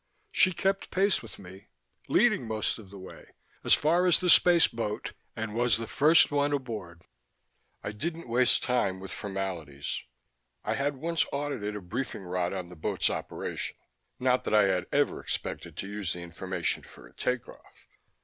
She kept pace with me, leading most of the time, as far as the space boat, and was the first one aboard. I didn't waste time with formalities. I had once audited a briefing rod on the boat's operation not that I had ever expected to use the information for a take off.